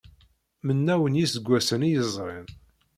Mennaw n iseggasen i yezrin.